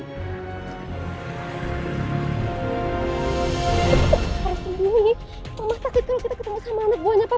mama sakit kalau kita ketemu sama anak buahnya pak permadi lagi sayang